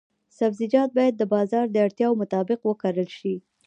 سبزیجات باید د بازار د اړتیاوو مطابق وکرل شي.